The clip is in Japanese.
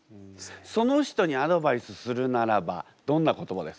その人にアドバイスするならばどんな言葉ですか？